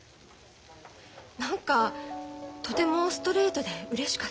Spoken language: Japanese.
何かとてもストレートでうれしかった。